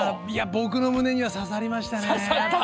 僕の胸には刺さりましたね。